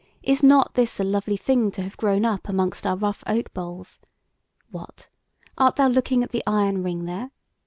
is not this a lovely thing to have grown up amongst our rough oak boles? What! art thou looking at the iron ring there?